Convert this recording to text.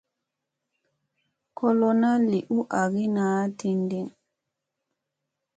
Ko lona li u agiya na din din.